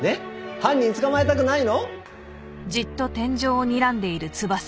犯人捕まえたくないの？